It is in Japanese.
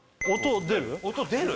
音出る？